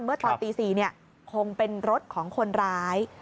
เมื่อตอนตี๔คงเป็นรถของคนร้าย